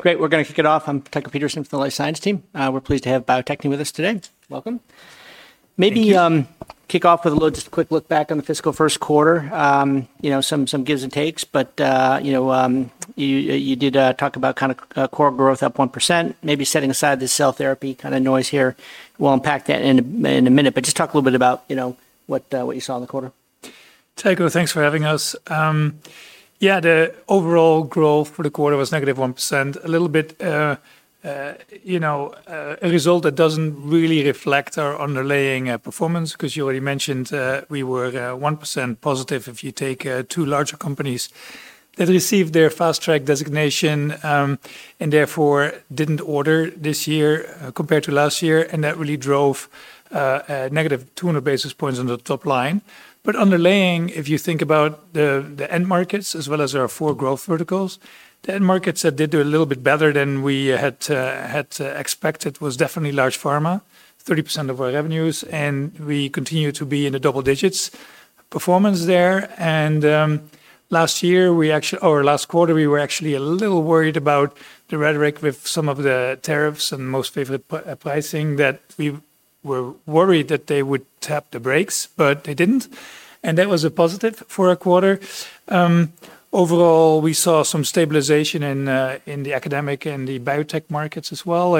Great. We're going to kick it off. I'm Tucker Peterson from the Life Science team. We're pleased to have Bio-Techne with us today. Welcome. Maybe kick off with a little just quick look back on the fiscal first quarter, some gives and takes. You did talk about kind of core growth up 1%. Maybe setting aside the cell therapy kind of noise here, we'll unpack that in a minute. Just talk a little bit about what you saw in the quarter. Tucker, thanks for having us. Yeah, the overall growth for the quarter was negative 1%. A little bit a result that doesn't really reflect our underlying performance because you already mentioned we were 1% positive if you take two larger companies that received their fast-track designation and therefore did not order this year compared to last year. That really drove a negative 200 basis points on the top line. Underlying, if you think about the end markets as well as our four growth verticals, the end markets that did do a little bit better than we had expected was definitely large pharma, 30% of our revenues. We continue to be in the double digits performance there. Last year, or last quarter, we were actually a little worried about the rhetoric with some of the tariffs and most favorite pricing that we were worried that they would tap the brakes, but they didn't. That was a positive for our quarter. Overall, we saw some stabilization in the academic and the biotech markets as well.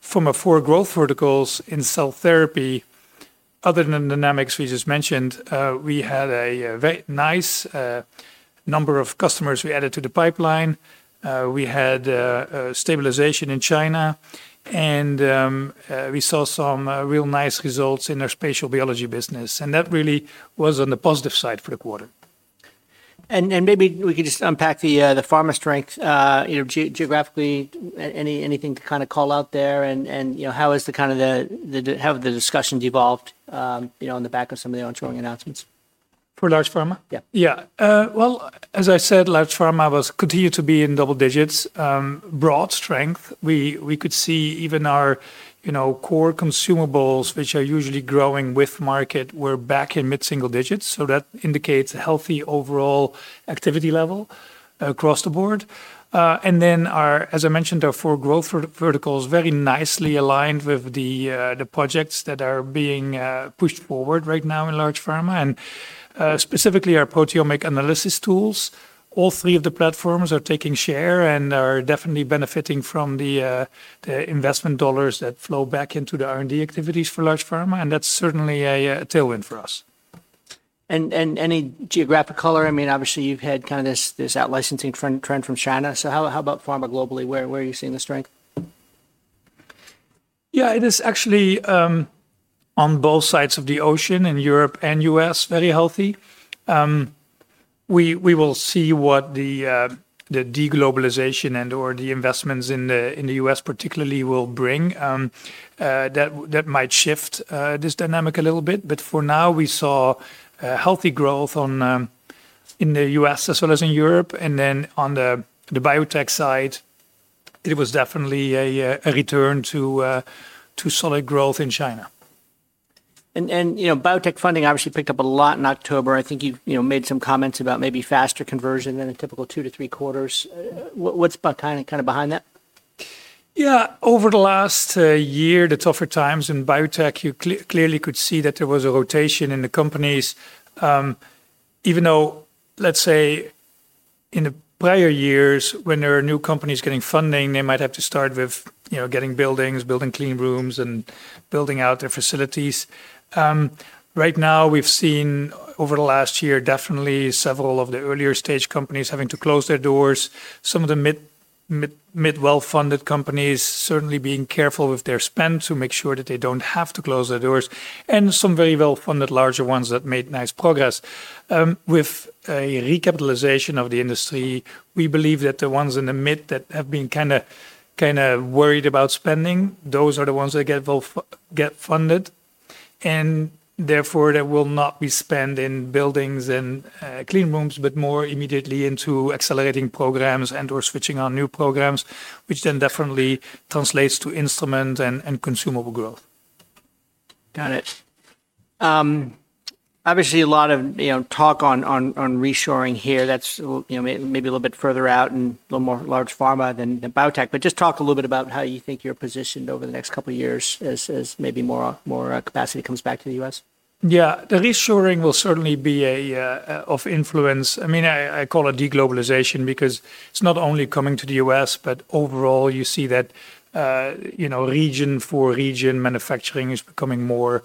From our four growth verticals in cell therapy, other than the dynamics we just mentioned, we had a very nice number of customers we added to the pipeline. We had stabilization in China. We saw some real nice results in our spatial biology business. That really was on the positive side for the quarter. Maybe we could just unpack the pharma strength geographically, anything to kind of call out there? How has the kind of how have the discussions evolved on the back of some of the ongoing announcements? For large pharma? Yeah. Yeah. As I said, large pharma continued to be in double digits, broad strength. We could see even our core consumables, which are usually growing with market, were back in mid-single digits. That indicates a healthy overall activity level across the board. As I mentioned, our four growth verticals very nicely aligned with the projects that are being pushed forward right now in large pharma, and specifically our proteomic analysis tools. All three of the platforms are taking share and are definitely benefiting from the investment dollars that flow back into the R&D activities for large pharma. That is certainly a tailwind for us. Any geographic color? I mean, obviously, you've had kind of this out-licensing trend from China. How about pharma globally? Where are you seeing the strength? Yeah, it is actually on both sides of the ocean in Europe and US, very healthy. We will see what the deglobalization and/or the investments in the US, particularly, will bring. That might shift this dynamic a little bit. For now, we saw healthy growth in the US as well as in Europe. Then on the biotech side, it was definitely a return to solid growth in China. Biotech funding, obviously, picked up a lot in October. I think you made some comments about maybe faster conversion than a typical two to three quarters. What's kind of behind that? Yeah, over the last year, the tougher times in biotech, you clearly could see that there was a rotation in the companies. Even though, let's say, in the prior years, when there are new companies getting funding, they might have to start with getting buildings, building clean rooms, and building out their facilities. Right now, we've seen over the last year, definitely several of the earlier stage companies having to close their doors. Some of the mid well-funded companies certainly being careful with their spend to make sure that they don't have to close their doors. Some very well-funded larger ones that made nice progress. With a recapitalization of the industry, we believe that the ones in the mid that have been kind of worried about spending, those are the ones that get funded. Therefore, there will not be spend in buildings and clean rooms, but more immediately into accelerating programs and/or switching on new programs, which then definitely translates to instruments and consumable growth. Got it. Obviously, a lot of talk on reshoring here that's maybe a little bit further out and a little more large pharma than biotech. Just talk a little bit about how you think you're positioned over the next couple of years as maybe more capacity comes back to the US. Yeah, the reshoring will certainly be of influence. I mean, I call it deglobalization because it's not only coming to the US, but overall, you see that region for region manufacturing is becoming more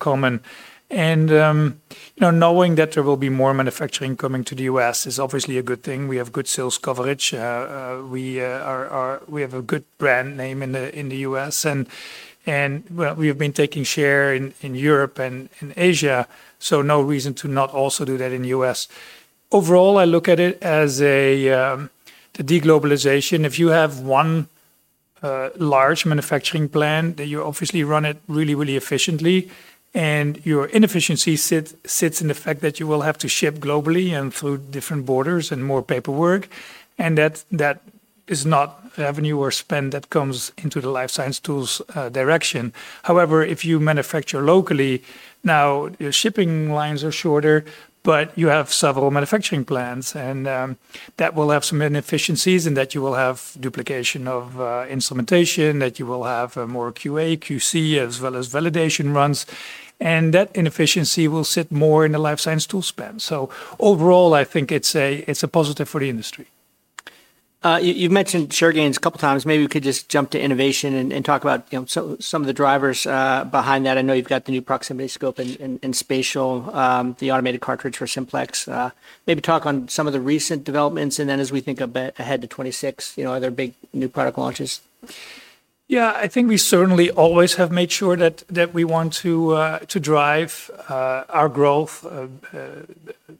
common. Knowing that there will be more manufacturing coming to the US is obviously a good thing. We have good sales coverage. We have a good brand name in the US. We have been taking share in Europe and Asia. No reason to not also do that in the US. Overall, I look at it as the deglobalization. If you have one large manufacturing plant, then you obviously run it really, really efficiently. Your inefficiency sits in the fact that you will have to ship globally and through different borders and more paperwork. That is not revenue or spend that comes into the life science tools direction. However, if you manufacture locally, now your shipping lines are shorter, but you have several manufacturing plants. That will have some inefficiencies in that you will have duplication of instrumentation, you will have more QA, QC, as well as validation runs. That inefficiency will sit more in the life science tool spend. Overall, I think it's a positive for the industry. You've mentioned share gains a couple of times. Maybe we could just jump to innovation and talk about some of the drivers behind that. I know you've got the new Proximity Scope and spatial, the automated cartridge for Simplex. Maybe talk on some of the recent developments. As we think a bit ahead to 2026, are there big new product launches? Yeah, I think we certainly always have made sure that we want to drive our growth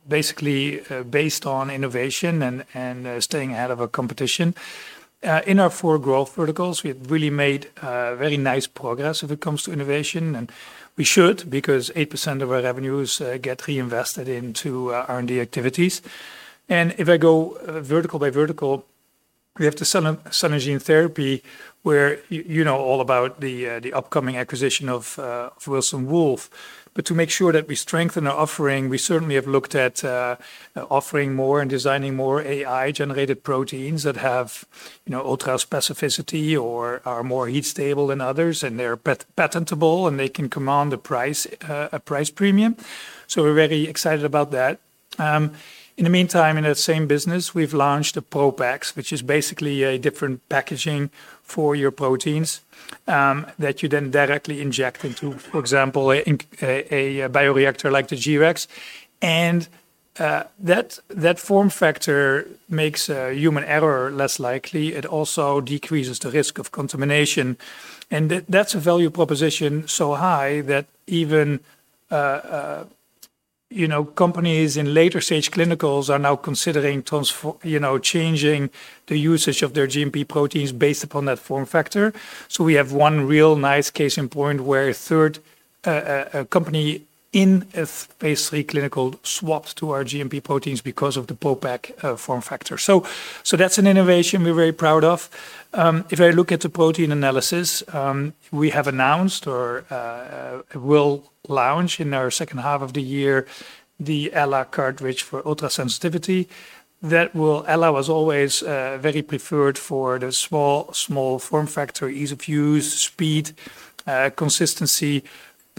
basically based on innovation and staying ahead of our competition. In our four growth verticals, we have really made very nice progress if it comes to innovation. We should because 8% of our revenues get reinvested into R&D activities. If I go vertical by vertical, we have cell and gene therapy where you know all about the upcoming acquisition of Wilson Wolf. To make sure that we strengthen our offering, we certainly have looked at offering more and designing more AI-generated proteins that have ultra-specificity or are more heat-stable than others. They're patentable. They can command a price premium. We're very excited about that. In the meantime, in that same business, we've launched a ProPax, which is basically a different packaging for your proteins that you then directly inject into, for example, a bioreactor like the GX. That form factor makes human error less likely. It also decreases the risk of contamination. That's a value proposition so high that even companies in later stage clinicals are now considering changing the usage of their GMP proteins based upon that form factor. We have one real nice case in point where a third company in a phase three clinical swapped to our GMP proteins because of the ProPax form factor. That's an innovation we're very proud of. If I look at the protein analysis, we have announced or will launch in our second half of the year the ELA cartridge for ultra-sensitivity. That ELA was always very preferred for the small form factor, ease of use, speed, consistency.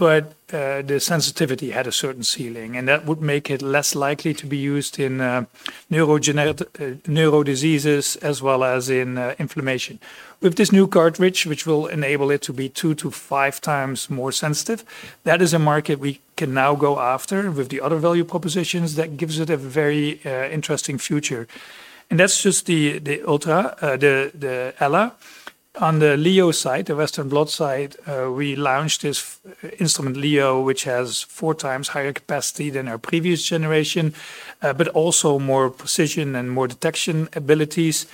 The sensitivity had a certain ceiling. That would make it less likely to be used in neurodiseases as well as in inflammation. With this new cartridge, which will enable it to be two to five times more sensitive, that is a market we can now go after with the other value propositions. That gives it a very interesting future. That is just the ELA. On the LEO side, the Western Blot side, we launched this instrument LEO, which has four times higher capacity than our previous generation, but also more precision and more detection abilities.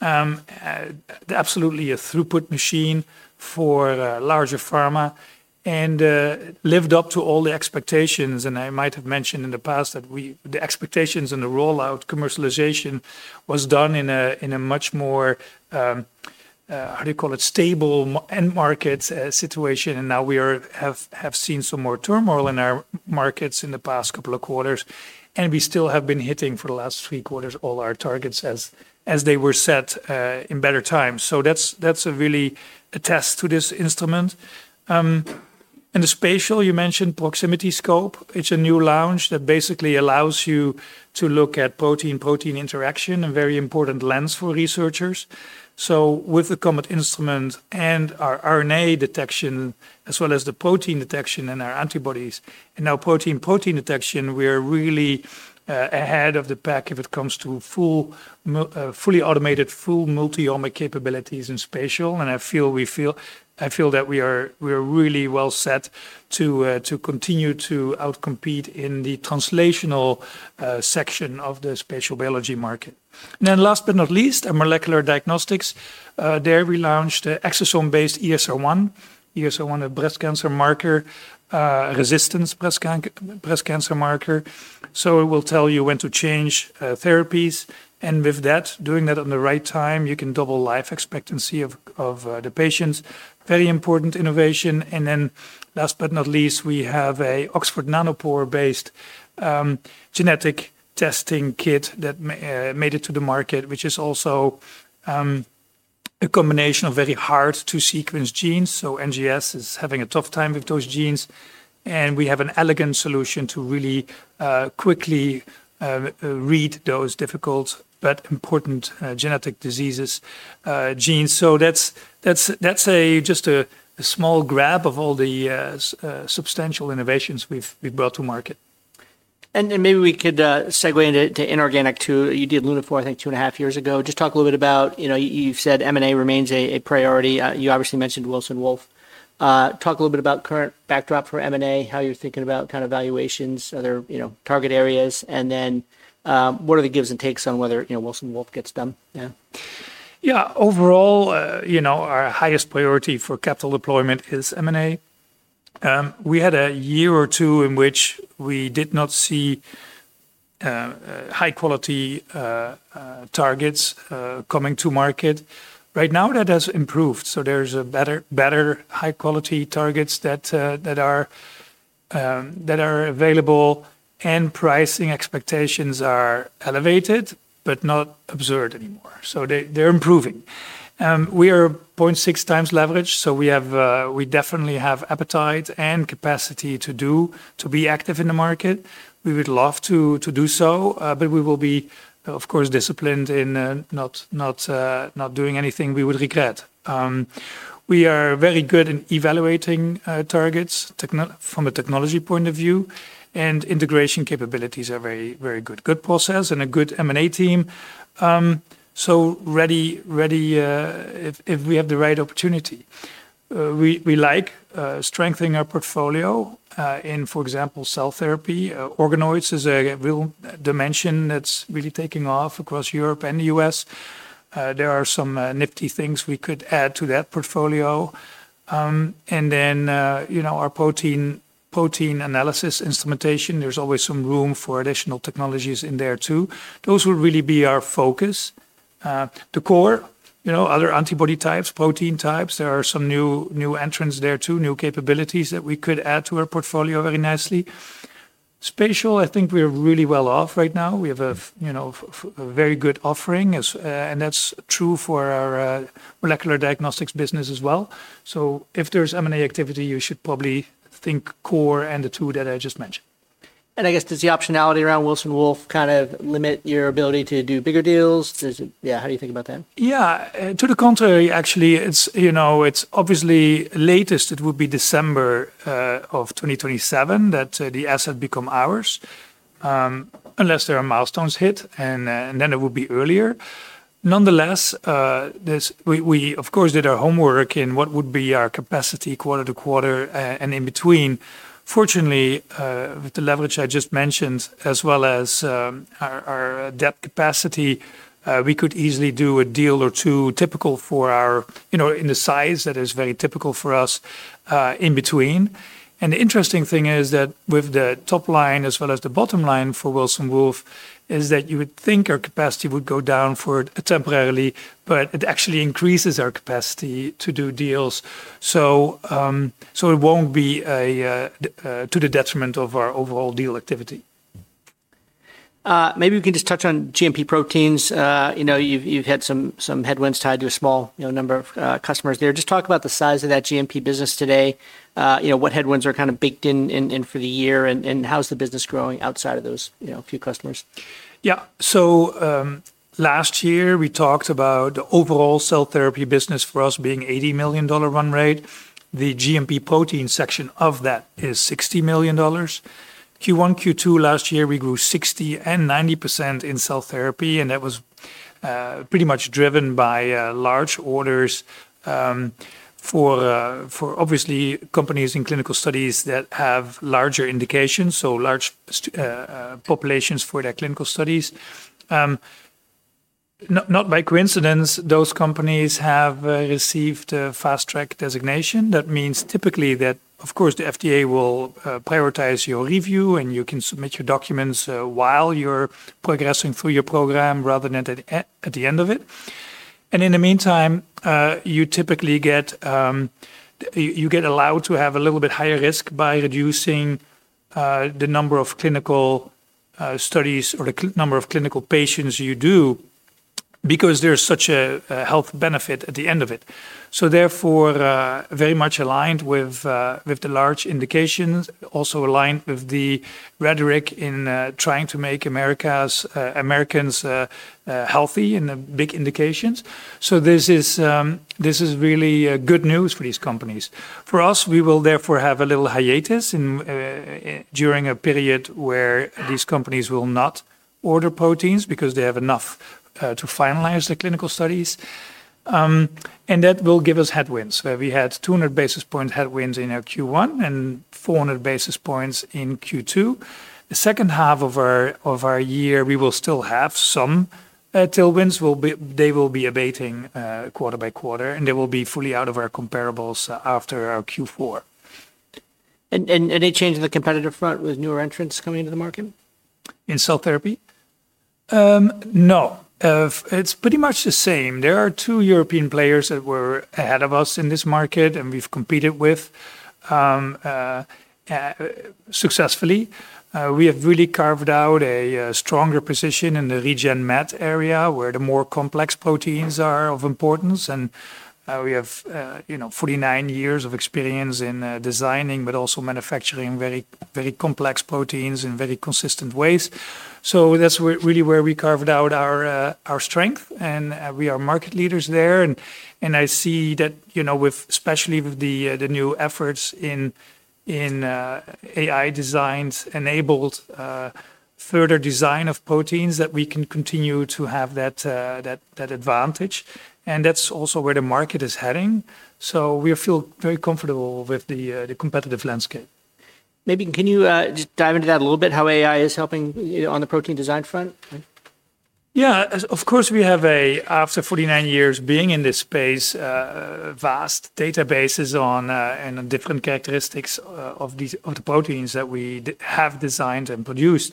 Absolutely a throughput machine for larger pharma and lived up to all the expectations. I might have mentioned in the past that the expectations and the rollout commercialization was done in a much more, how do you call it, stable end market situation. Now we have seen some more turmoil in our markets in the past couple of quarters. We still have been hitting for the last three quarters all our targets as they were set in better times. That is really a test to this instrument. The spatial, you mentioned Proximity Scope. It is a new launch that basically allows you to look at protein-protein interaction and very important lens for researchers. With the Comet instrument and our RNA detection as well as the protein detection and our antibodies and now protein-protein detection, we are really ahead of the pack if it comes to fully automated, full multi-omic capabilities in spatial. I feel that we are really well set to continue to outcompete in the translational section of the spatial biology market. Last but not least, our molecular diagnostics. There we launched the exosome-based ESR1, ESR1, a breast cancer marker, resistance breast cancer marker. It will tell you when to change therapies. With that, doing that at the right time, you can double life expectancy of the patients. Very important innovation. Last but not least, we have an Oxford Nanopore-based genetic testing kit that made it to the market, which is also a combination of very hard-to-sequence genes. NGS is having a tough time with those genes. We have an elegant solution to really quickly read those difficult but important genetic diseases genes. That is just a small grab of all the substantial innovations we have brought to market. Maybe we could segue into inorganic too. You did Lunaphore, I think, two and a half years ago. Just talk a little bit about, you've said M&A remains a priority. You obviously mentioned Wilson Wolf. Talk a little bit about current backdrop for M&A, how you're thinking about kind of valuations, other target areas. What are the gives and takes on whether Wilson Wolf gets done? Yeah, overall, our highest priority for capital deployment is M&A. We had a year or two in which we did not see high-quality targets coming to market. Right now, that has improved. There are better high-quality targets that are available. Pricing expectations are elevated, but not absurd anymore. They are improving. We are 0.6 times leveraged. We definitely have appetite and capacity to be active in the market. We would love to do so. We will be, of course, disciplined in not doing anything we would regret. We are very good in evaluating targets from a technology point of view. Integration capabilities are very good. Good process and a good M&A team. Ready if we have the right opportunity. We like strengthening our portfolio in, for example, cell therapy. Organoids is a real dimension that is really taking off across Europe and the US. There are some nifty things we could add to that portfolio. Then our protein analysis instrumentation, there's always some room for additional technologies in there too. Those will really be our focus. The core, other antibody types, protein types, there are some new entrants there too, new capabilities that we could add to our portfolio very nicely. Spatial, I think we're really well off right now. We have a very good offering. That is true for our molecular diagnostics business as well. If there's M&A activity, you should probably think core and the two that I just mentioned. Does the optionality around Wilson Wolf kind of limit your ability to do bigger deals? Yeah, how do you think about that? Yeah, to the contrary, actually. It's obviously latest. It would be December of 2027 that the asset becomes ours, unless there are milestones hit. Then it would be earlier. Nonetheless, we, of course, did our homework in what would be our capacity quarter to quarter and in between. Fortunately, with the leverage I just mentioned, as well as our debt capacity, we could easily do a deal or two typical for us in the size that is very typical for us in between. The interesting thing is that with the top line as well as the bottom line for Wilson Wolf is that you would think our capacity would go down for it temporarily, but it actually increases our capacity to do deals. It won't be to the detriment of our overall deal activity. Maybe we can just touch on GMP proteins. You've had some headwinds tied to a small number of customers there. Just talk about the size of that GMP business today. What headwinds are kind of baked in for the year? How's the business growing outside of those few customers? Yeah, so last year, we talked about the overall cell therapy business for us being $80 million run rate. The GMP protein section of that is $60 million. Q1, Q2 last year, we grew 60% and 90% in cell therapy. That was pretty much driven by large orders for obviously companies in clinical studies that have larger indications, so large populations for their clinical studies. Not by coincidence, those companies have received a fast-track designation. That means typically that, of course, the FDA will prioritize your review. You can submit your documents while you're progressing through your program rather than at the end of it. In the meantime, you typically get allowed to have a little bit higher risk by reducing the number of clinical studies or the number of clinical patients you do because there's such a health benefit at the end of it. Therefore, very much aligned with the large indications, also aligned with the rhetoric in trying to make Americans healthy and big indications. This is really good news for these companies. For us, we will therefore have a little hiatus during a period where these companies will not order proteins because they have enough to finalize the clinical studies. That will give us headwinds. We had 200 basis points headwinds in Q1 and 400 basis points in Q2. The second half of our year, we will still have some tailwinds. They will be abating quarter by quarter. They will be fully out of our comparables after Q4. there any change in the competitive front with newer entrants coming into the market? In cell therapy? No. It's pretty much the same. There are two European players that were ahead of us in this market and we've competed with successfully. We have really carved out a stronger position in the RegenMed area where the more complex proteins are of importance. We have 49 years of experience in designing, but also manufacturing very complex proteins in very consistent ways. That's really where we carved out our strength. We are market leaders there. I see that especially with the new efforts in AI designs enabled further design of proteins that we can continue to have that advantage. That is also where the market is heading. We feel very comfortable with the competitive landscape. Maybe can you dive into that a little bit, how AI is helping on the protein design front? Yeah, of course, we have, after 49 years being in this space, vast databases on different characteristics of the proteins that we have designed and produced.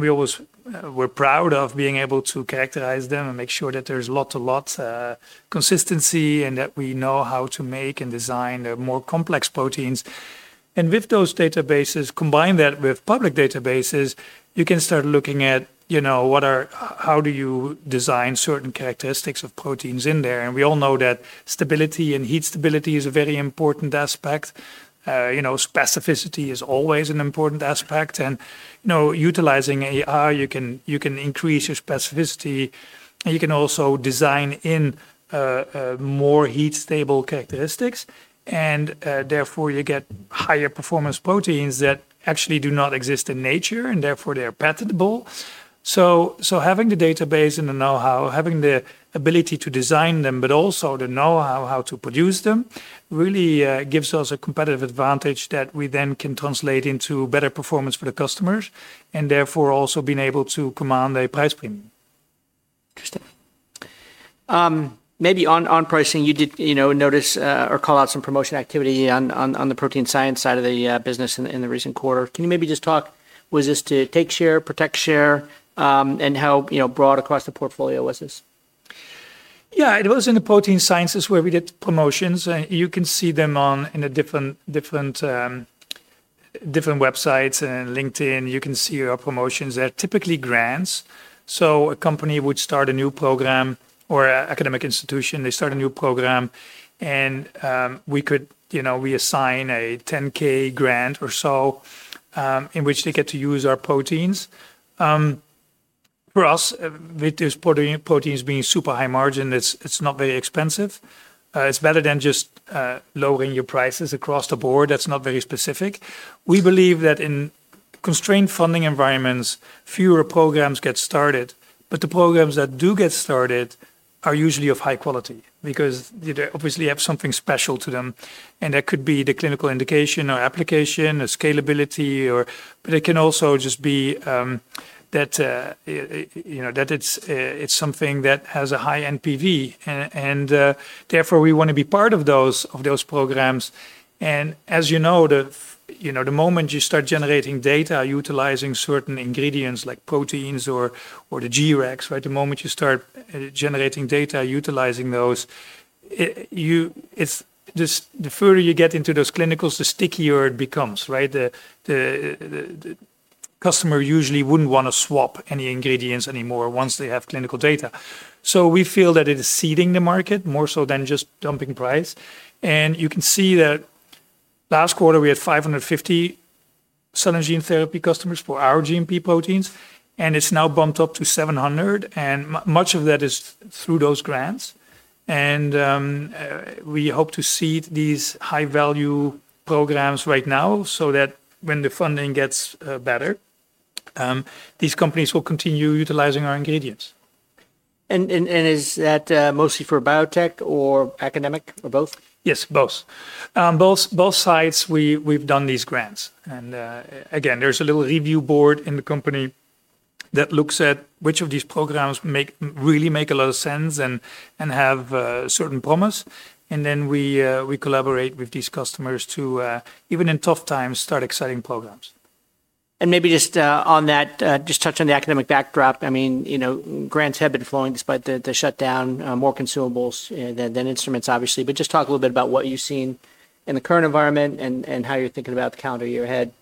We always were proud of being able to characterize them and make sure that there's lots of consistency and that we know how to make and design more complex proteins. With those databases, combine that with public databases, you can start looking at how do you design certain characteristics of proteins in there. We all know that stability and heat stability is a very important aspect. Specificity is always an important aspect. Utilizing AI, you can increase your specificity. You can also design in more heat-stable characteristics. Therefore, you get higher-performance proteins that actually do not exist in nature. Therefore, they are patentable. Having the database and the know-how, having the ability to design them, but also the know-how how to produce them really gives us a competitive advantage that we then can translate into better performance for the customers. Therefore, also being able to command a price premium. Interesting. Maybe on pricing, you did notice or call out some promotion activity on the protein science side of the business in the recent quarter. Can you maybe just talk, was this to take share, protect share, and how broad across the portfolio was this? Yeah, it was in the protein sciences where we did promotions. You can see them in different websites and LinkedIn. You can see our promotions. They're typically grants. A company would start a new program or an academic institution. They start a new program. We could assign a $10,000 grant or so in which they get to use our proteins. For us, with these proteins being super high margin, it's not very expensive. It's better than just lowering your prices across the board. That's not very specific. We believe that in constrained funding environments, fewer programs get started. The programs that do get started are usually of high quality because they obviously have something special to them. That could be the clinical indication or application or scalability. It can also just be that it's something that has a high NPV. Therefore, we want to be part of those programs. As you know, the moment you start generating data utilizing certain ingredients like proteins or the G-REX, the moment you start generating data utilizing those, the further you get into those clinicals, the stickier it becomes. The customer usually would not want to swap any ingredients anymore once they have clinical data. We feel that it is seeding the market more so than just dumping price. You can see that last quarter, we had 550 cell and gene therapy customers for our GMP proteins. It is now bumped up to 700. Much of that is through those grants. We hope to see these high-value programs right now so that when the funding gets better, these companies will continue utilizing our ingredients. Is that mostly for biotech or academic or both? Yes, both. On both sides, we've done these grants. Again, there's a little review board in the company that looks at which of these programs really make a lot of sense and have certain promise. Then we collaborate with these customers to, even in tough times, start exciting programs. Maybe just on that, just touch on the academic backdrop. I mean, grants have been flowing despite the shutdown, more consumables than instruments, obviously. Just talk a little bit about what you've seen in the current environment and how you're thinking about the calendar year ahead.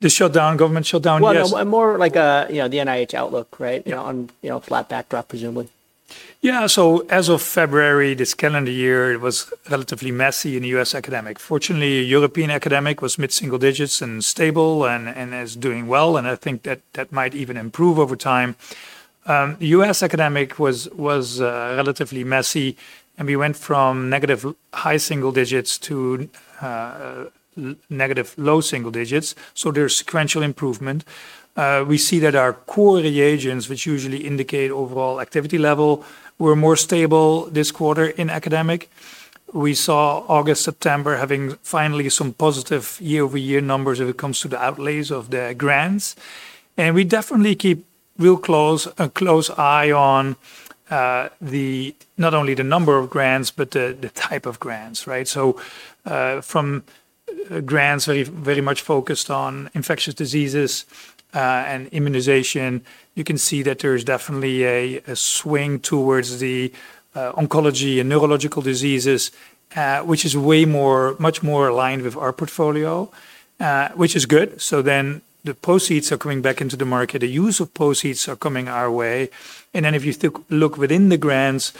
The government shutdown, yes. More like the NIH outlook, right, on flat backdrop, presumably. Yeah, as of February this calendar year, it was relatively messy in the U.S. academic. Fortunately, European academic was mid-single digits and stable and is doing well. I think that might even improve over time. The U.S. academic was relatively messy. We went from negative high single digits to negative low single digits. There is sequential improvement. We see that our core reagents, which usually indicate overall activity level, were more stable this quarter in academic. We saw August, September having finally some positive year-over-year numbers if it comes to the outlays of the grants. We definitely keep a real close eye on not only the number of grants, but the type of grants, right? From grants very much focused on infectious diseases and immunization, you can see that there is definitely a swing towards oncology and neurological diseases, which is much more aligned with our portfolio, which is good. The proceeds are coming back into the market. The use of proceeds are coming our way. If you look within the grants,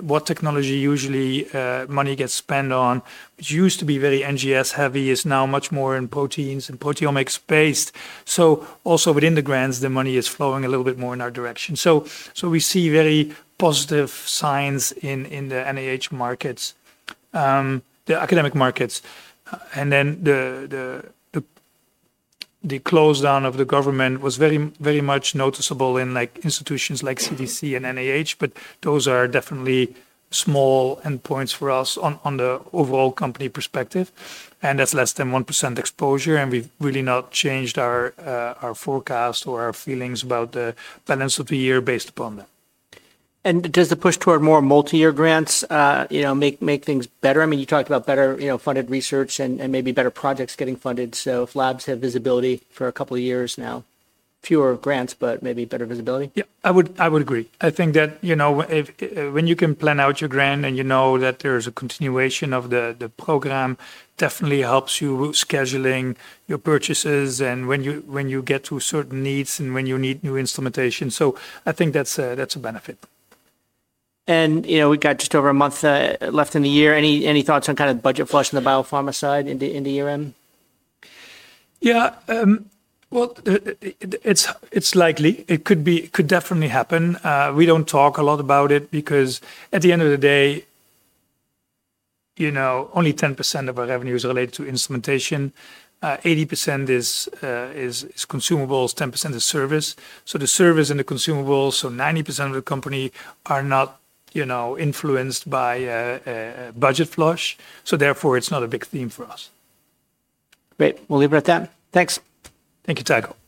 what technology usually money gets spent on, which used to be very NGS heavy, is now much more in proteins and proteomics-based. Also within the grants, the money is flowing a little bit more in our direction. We see very positive signs in the NIH markets, the academic markets. The close down of the government was very much noticeable in institutions like CDC and NIH. Those are definitely small endpoints for us on the overall company perspective. That is less than 1% exposure. We have really not changed our forecast or our feelings about the balance of the year based upon that. Does the push toward more multi-year grants make things better? I mean, you talked about better funded research and maybe better projects getting funded. If labs have visibility for a couple of years now, fewer grants, but maybe better visibility. Yeah, I would agree. I think that when you can plan out your grant and you know that there's a continuation of the program, it definitely helps you scheduling your purchases and when you get to certain needs and when you need new instrumentation. I think that's a benefit. We have just over a month left in the year. Any thoughts on kind of budget flush in the biopharma side in the year end? Yeah, well, it's likely. It could definitely happen. We don't talk a lot about it because at the end of the day, only 10% of our revenue is related to instrumentation. 80% is consumables, 10% is service. The service and the consumables, so 90% of the company are not influenced by budget flush. Therefore, it's not a big theme for us. Great. We'll leave it at that. Thanks. Thank you, Tucker.